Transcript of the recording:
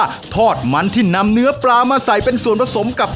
อร่อยเชียบแน่นอนครับอร่อยเชียบแน่นอนครับ